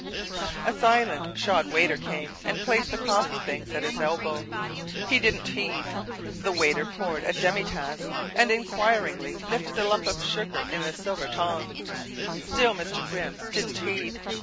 A silent shod waiter came and placed the coffee things at his elbow. He didn't heed. The waiter poured a demi tasse, and inquiringly lifted a lump of sugar in the silver tongs. Still Mr. Grimm didn't heed.